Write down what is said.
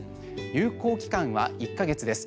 有効期間は１か月です。